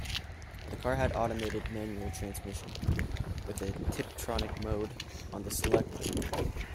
The car had an automated manual transmission with a Tiptronic mode on the selector.